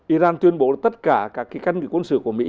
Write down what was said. iran tuyên bố là tất cả các cái căn cứ quân sự của mỹ